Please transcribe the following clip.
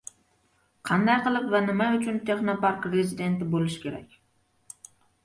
Qanday qilib va nima uchun Texnopark rezidenti bo‘lish kerak?